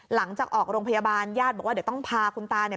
หลังจากออกโรงพยาบาลญาติบอกว่าเดี๋ยวต้องพาคุณตาเนี่ย